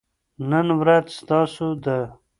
نن ورځ ستاسو ده.